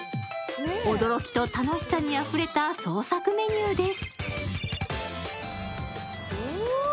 驚きと楽しさにあふれた創作メニューです。